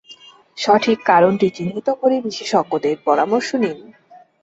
সঠিক কারণটি চিহ্নিত করে বিশেষজ্ঞের পরামর্শ নিন।